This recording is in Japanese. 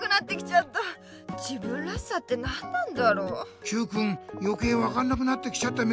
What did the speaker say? よけいわかんなくなってきちゃったみたいだね。